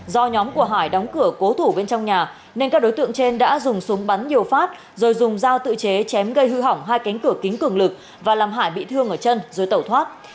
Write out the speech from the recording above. do nhóm của hải đóng cửa cố thủ bên trong nhà nên các đối tượng trên đã dùng súng bắn nhiều phát rồi dùng dao tự chế chém gây hư hỏng hai cánh cửa kính cường lực và làm hải bị thương ở chân rồi tẩu thoát